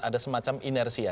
ada semacam inersia